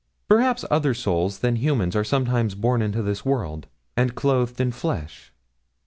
Perhaps other souls than human are sometimes born into the world, and clothed in flesh.